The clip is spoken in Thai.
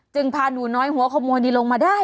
พาหนูน้อยหัวขโมยนี่ลงมาได้